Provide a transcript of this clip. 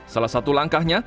salah satu langkahnya